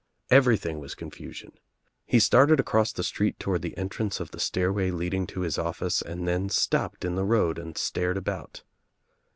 Every thing was confusion. He started across the street toward the entrance of the stairway leading to his office and then stopped in the road and stared ahou*.